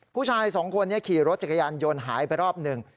ผู้ชายสองคนนี้ขี่รถจักรยานยนต์หายไปรอบหนึ่ง